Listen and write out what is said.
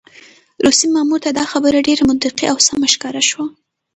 روسي مامور ته دا خبره ډېره منطقي او سمه ښکاره شوه.